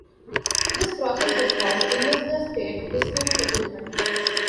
This process is called investor-state dispute settlement.